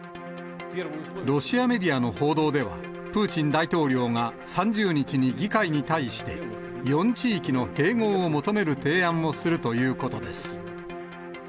ロシアメディアの報道では、プーチン大統領が３０日に議会に対して、４地域の併合を求める提案をするということです。